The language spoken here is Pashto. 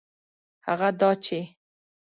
هغه دا چي